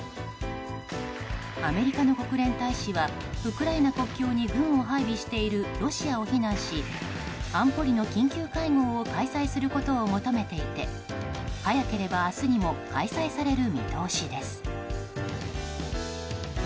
アメリカの国連大使はウクライナ国境に軍を配備しているロシアを非難し安保理の緊急会合を開催することを求めていて早ければ明日にも開催される見通しです。